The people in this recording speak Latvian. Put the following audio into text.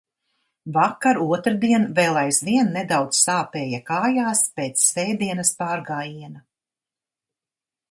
Vakar, otrdien, vēl aizvien nedaudz sāpēja kājās pēc svētdienas pārgājiena.